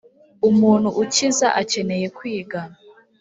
umuntu ukiza akeneye kwiga